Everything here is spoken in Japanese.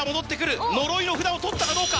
「呪」の札を取ったかどうか。